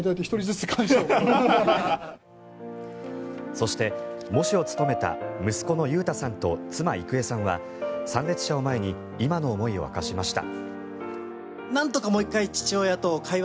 そして、喪主を務めた息子の裕太さんと妻・郁恵さんは、参列者を前に今の思いを明かしました。